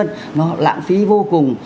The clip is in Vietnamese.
nó lãng phí vô cùng